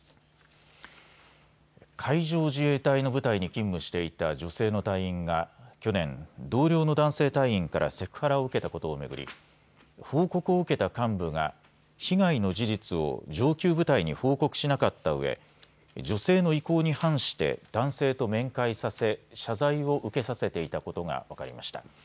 海上自衛隊の部隊に勤務していた女性の隊員が去年、同僚の男性隊員からセクハラを受けたことを巡り報告を受けた幹部が被害の事実を上級部隊に報告しなかったうえ女性の意向に反して男性と面会させ謝罪を受けさせていたことが分かりました。